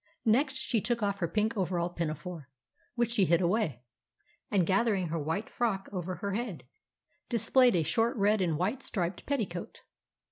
Next she took off her pink overall pinafore, which she hid away; and gathering her white frock over her head, displayed a short red and white striped petticoat.